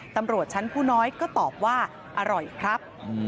ตำรวจชั้นผู้น้อยก็ตอบว่าอร่อยครับ